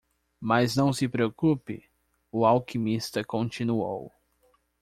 "Mas não se preocupe?" o alquimista continuou.